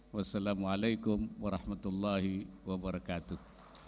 wassalamu'alaikum warahmatullahi wabarakatuh